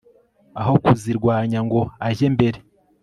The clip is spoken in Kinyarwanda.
aho kuzirwanya ngo ajye mbere